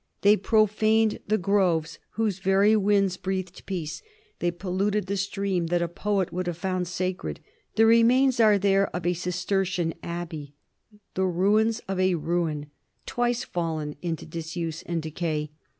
They profaned the groves whose very winds breathed peace; they polluted the stream that a poet would have found sacred. The remains are there of a Cistercian abbey, the ruins of a ruin, twice fallen into disuse and decay.